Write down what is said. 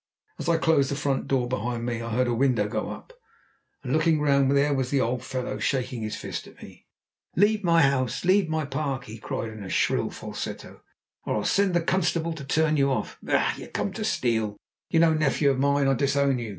As I closed the front door behind me I heard a window go up, and on looking round there was the old fellow shaking his fist at me. "Leave my house leave my park!" he cried in a shrill falsetto, "or I'll send for the constable to turn you off. Bah! You came to steal. You're no nephew of mine; I disown you!